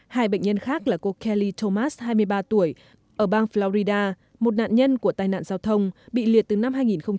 hai bệnh nhân khác là cô kelly thomas hai mươi ba tuổi ở bang florida một nạn nhân của tai nạn giao thông bị liệt từ năm hai nghìn một mươi